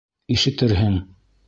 Ишетерһең.